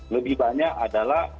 lebih banyak adalah